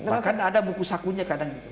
bahkan ada buku sakunya